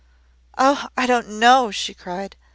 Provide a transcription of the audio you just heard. "Oh! I don't KNOW!" she cried.